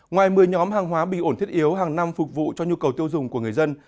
ngoài một mươi nhóm hàng hóa bình ổn thiết yếu hàng năm phục vụ cho nhu cầu tiêu dùng của người dân